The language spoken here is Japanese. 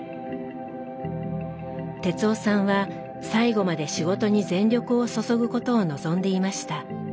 哲雄さんは最後まで仕事に全力を注ぐことを望んでいました。